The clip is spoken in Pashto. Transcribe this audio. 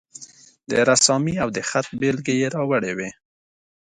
د رسامي او د خط بیلګې یې راوړې وې.